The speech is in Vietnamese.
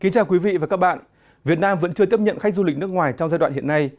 chào các bạn việt nam vẫn chưa tiếp nhận khách du lịch nước ngoài trong giai đoạn hiện nay